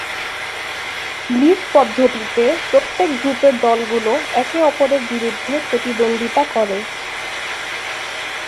লীগ পদ্ধতিতে প্রত্যেক গ্রুপের দলগুলো একে-অপরের বিরুদ্ধে প্রতিদ্বন্দ্বিতা করে।